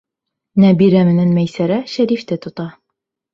Нәбирә менән Мәйсәрә Шәрифте тота.